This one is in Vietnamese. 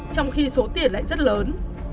trong khi số tiền lại rất lớn